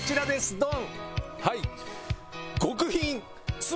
ドン！